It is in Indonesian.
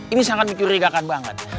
ini sangat mencurigakan banget